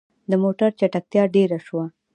د موټر چټکتيا ډيره شوه.